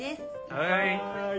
はい。